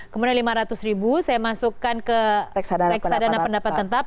kemudian lima ratus ribu saya masukkan ke reksadana pendapat tetap